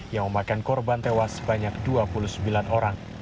yang memakan korban tewas sebanyak dua puluh sembilan orang